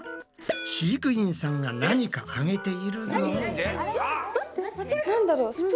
飼育員さんがなにかあげているぞ。